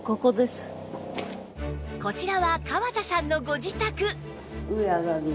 こちらは川田さんのご自宅